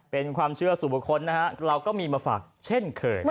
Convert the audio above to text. เป็นความเชื่อสู่บุคคลนะฮะเราก็มีมาฝากเช่นเคย